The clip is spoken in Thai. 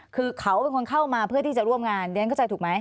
คือเขาเป็นคนเข้ามาเพื่อที่จะร่วมงานเรียนเข้าใจถูกไหม